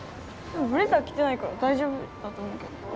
ブレザー着てないから大丈夫だと思うけど。